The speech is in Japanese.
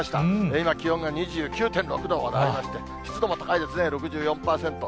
今、気温が２９．６度まだありまして、湿度も高いですね、６４％。